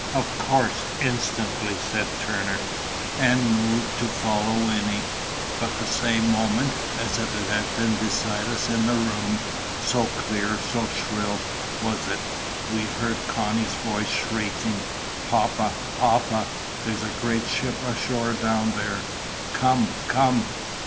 "Of course instantly," said Turner, and moved to follow Winnie. But the same moment, as if it had been beside us in the room, so clear, so shrill was it, we heard Connie's voice shrieking, "Papa, papa! There's a great ship ashore down there. Come, come!"